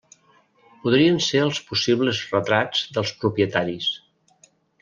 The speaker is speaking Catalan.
Podrien ser els possibles retrats dels propietaris.